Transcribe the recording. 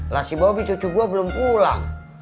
lha si bobby cucu gue belum pulang